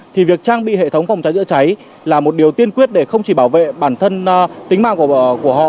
thì việc trang bị hệ thống phòng cháy chữa cháy là một điều tiên quyết để không chỉ bảo vệ bản thân tính mạng của họ